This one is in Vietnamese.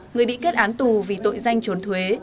người bị kết án tù vì tội danh trốn thuế